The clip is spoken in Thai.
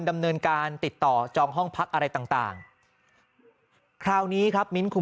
ดำเนินการติดต่อจองห้องพักอะไรต่างคราวนี้ครับมิ้นคุณ